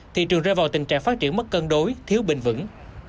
thị trường rơi vào tình trạng phát triển mất cân đối thiếu bình vững